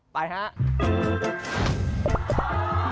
ไปครับ